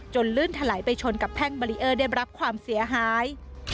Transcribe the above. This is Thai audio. ลื่นถลายไปชนกับแท่งบารีเออร์ได้รับความเสียหาย